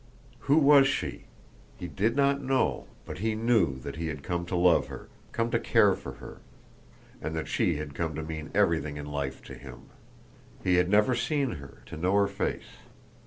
Who was she? He did not know, but he knew that he had come to love her, come to care for her, and that she had come to mean everything in life to him. He had never seen her, to know her face.